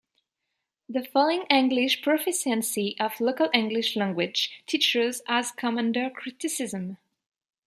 The falling English proficiency of local English language teachers has come under criticism.